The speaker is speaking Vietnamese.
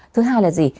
thứ hai là gì